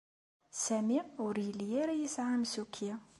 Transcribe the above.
Sami ur yelli ara yesɛa amsukki.